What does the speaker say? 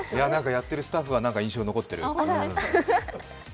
やってるスタッフは印象に残ってる。